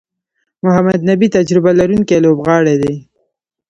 محمد نبي تجربه لرونکی لوبغاړی دئ.